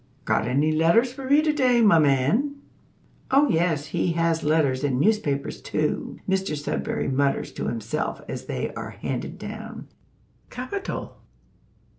"Got any letters for me to day, my man?" Oh, yes, he has letters and newspapers too. Mr Sudberry mutters to himself as they are handed down, "Capital!